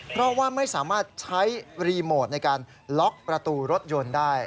เพราะว่าไม่สามารถใช้รีโมทในการล็อกประตูรถยนต์ได้